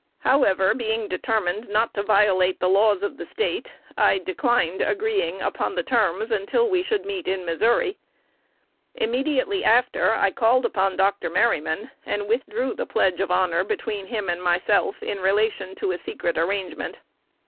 However, being determined not to violate the laws of the State, I declined agreeing upon the terms until we should meet in Missouri. Immediately after, I called upon Dr. Merryman, and withdrew the pledge of honor between him and myself in relation to a secret arrangement.